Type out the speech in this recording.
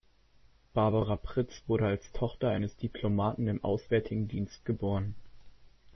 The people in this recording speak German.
Barbara Pritz wurde als Tochter eines Diplomaten im Auswärtigen Dienst geboren.